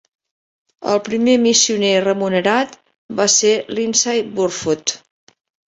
El primer missioner remunerat va ser Lindsay Burfoot.